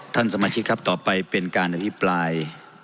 ท่านสมาชิกครับต่อไปเป็นการอภิปราย